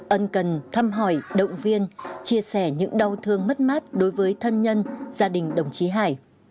ân cần thăm hỏi động viên chia sẻ những đau thương mất mát đối với thân nhân gia đình đồng chí hải